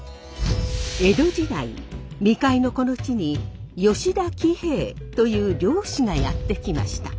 江戸時代未開のこの地に吉田喜兵衛という漁師がやって来ました。